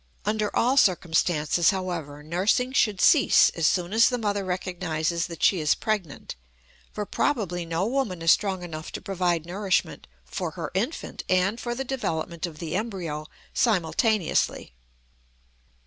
Under all circumstances, however, nursing should cease as soon as the mother recognizes that she is pregnant, for probably no woman is strong enough to provide nourishment for her infant and for the development of the embryo simultaneously.